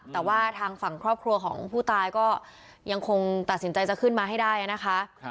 แต่ว่าทางฝั่งครอบครัวของผู้ตายก็ยังคงตัดสินใจจะขึ้นมาให้ได้นะคะ